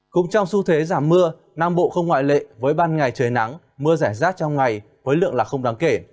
cũng trong xu thế giảm mưa nam bộ không ngoại lệ với ban ngày trời nắng mưa giải rác trong ngày với lượng là không đáng kể